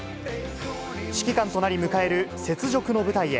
指揮官となり迎える雪辱の舞台へ。